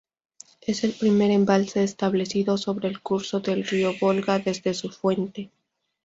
Es el primer embalse establecido sobre el curso del río Volga desde su fuente.